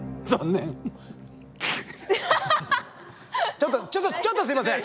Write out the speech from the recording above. ちょっとちょっとちょっとすいません。